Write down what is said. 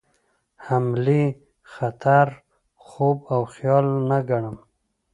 حملې خطر خوب او خیال نه ګڼم.